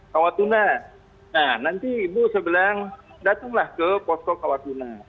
kawatuna nah nanti ibu saya bilang datanglah ke posko kawatuna